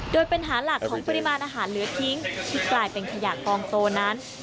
โดยปัญหาหลักของปริมาณอาหารเหลือทิ้งที่กลายเป็นขยะกองโตนั้น